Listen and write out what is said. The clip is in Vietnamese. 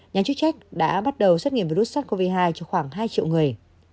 nhà chức trách đã bắt đầu xét nghiệm virus sars cov hai cho khoảng hai triệu người